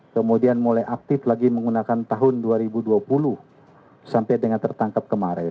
kemudian mulai aktif lagi menggunakan tahun dua ribu dua puluh sampai dengan tertangkap kemarin